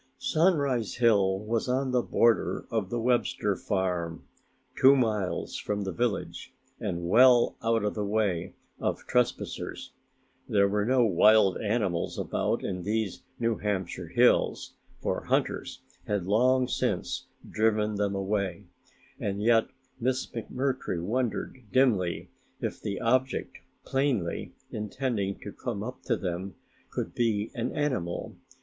Sunrise Hill was on the border of the Webster farm, two miles from the village and well out of the way of trespassers. There were no wild animals about in these New Hampshire hills, for hunters had long since driven them away, and yet Miss McMurtry wondered dimly if the object plainly intending to come up to them could be an animal.